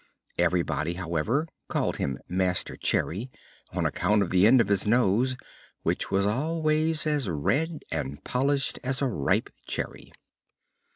Everybody, however, called him Master Cherry, on account of the end of his nose, which was always as red and polished as a ripe cherry.